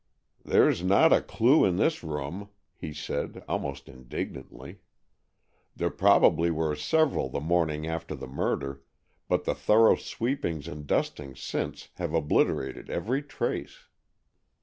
"There's not a clue in this room," he said almost indignantly. "There probably were several the morning after the murder, but the thorough sweepings and dustings since have obliterated every trace."